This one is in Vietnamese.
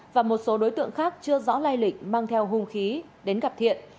và một số đối tượng khác chưa rõ lai lịch mang theo hung khí đến gặp thiện